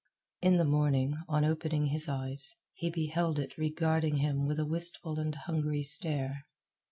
In the morning, on opening his eyes, he beheld it regarding him with a wistful and hungry stare.